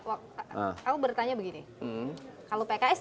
aku bertanya begini kalau pks